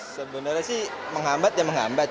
sebenarnya sih menghambat ya menghambat